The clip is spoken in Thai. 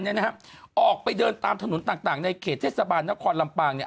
ออกไปเดินตามถนนต่างต่างในเขตเทศบาลนครลำปางเนี่ย